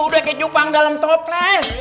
udah kayak cupang dalam toples